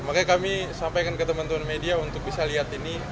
makanya kami sampaikan ke teman teman media untuk bisa lihat ini